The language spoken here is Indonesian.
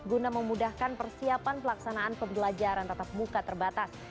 guna memudahkan persiapan pelaksanaan pembelajaran tatap muka terbatas